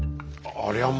ありゃま！